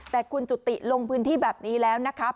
แต่คุณจุติลงพื้นที่แบบนี้แล้วนะคะเป็นเรื่องที่ดีมั้ย